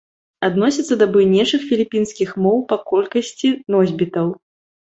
Адносіцца да буйнейшых філіпінскіх моў па колькасці носьбітаў.